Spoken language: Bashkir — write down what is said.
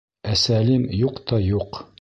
Ә Сәлим юҡ та юҡ.